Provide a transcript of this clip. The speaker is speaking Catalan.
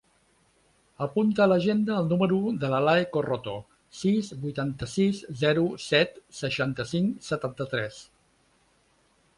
Apunta a l'agenda el número de l'Alae Corroto: sis, vuitanta-sis, zero, set, seixanta-cinc, setanta-tres.